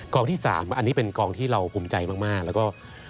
ที่๓อันนี้เป็นกองที่เราภูมิใจมากแล้วก็